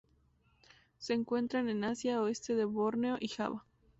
Se encuentran en Asia: oeste de Borneo y Java.